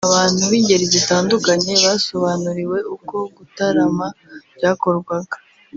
Abantu b’ingeri zitandukanye basobanuriwe uko gutarama byakorwaga